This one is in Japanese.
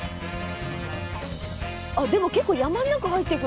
でも結構山の中入っていく。